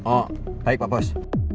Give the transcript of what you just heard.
oh baik pak bos